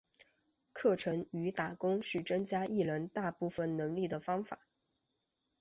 课程与打工是增加艺人大部分能力的方法。